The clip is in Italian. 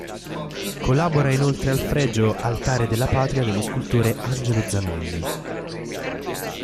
Collabora inoltre al fregio "Altare della Patria" dello scultore Angelo Zanelli.